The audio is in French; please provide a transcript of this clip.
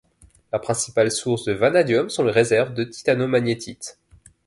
La principale source de vanadium sont les réserves de titanomagnétite.